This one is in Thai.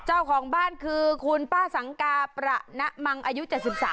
เจ้าของบ้านคือคุณป้าสังกาประณมังอายุ๗๓